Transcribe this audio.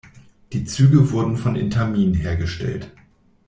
Die Züge wurden von Intamin hergestellt.